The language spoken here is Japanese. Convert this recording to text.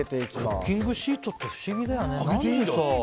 クッキングシートって不思議だよね。